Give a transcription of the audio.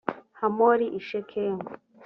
hamori i shekemu